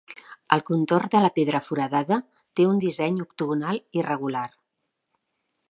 El contorn de la pedra foradada té un disseny octogonal irregular.